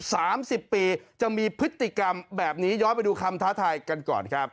สามสิบปีจะมีพฤติกรรมแบบนี้ย้อนไปดูคำท้าทายกันก่อนครับ